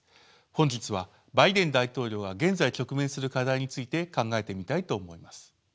本日はバイデン大統領が現在直面する課題について考えてみたいと思います。